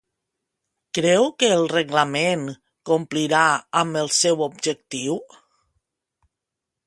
Creu que el reglament complirà amb el seu objectiu?